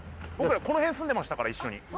僕らこのへん住んでましたから一緒に。